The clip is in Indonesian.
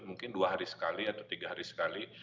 mungkin dua hari sekali atau tiga hari sekali